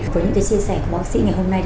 với những cái chia sẻ của bác sĩ ngày hôm nay